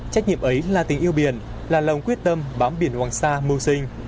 trách nhiệm ấy là tình yêu biển là lòng quyết tâm bám biển hoàng sa mưu sinh